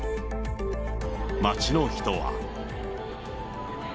街の人は。